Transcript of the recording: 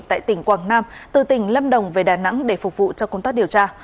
tại tỉnh quảng nam từ tỉnh lâm đồng về đà nẵng để phục vụ cho công tác điều tra